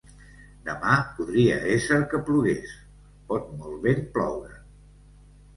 Demà podria ésser que plogués, pot molt ben ploure.